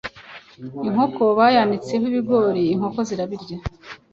Inkoko bayanitseho ibigori, inkoko zirabirya.